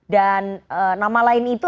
dan nama lain itu